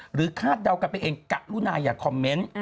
หรือฆาตเดากลับไปเองรู้นายอย่าคอมเมนต์